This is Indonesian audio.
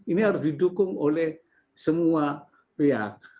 ini harus didukung oleh semua pihak